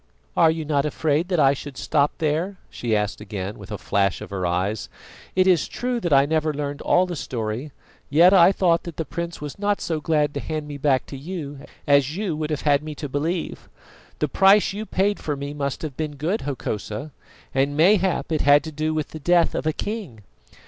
"Are you not afraid that I should stop there?" she asked again, with a flash of her eyes. "It is true that I never learned all the story, yet I thought that the prince was not so glad to hand me back to you as you would have had me to believe. The price you paid for me must have been good, Hokosa, and mayhap it had to do with the death of a king."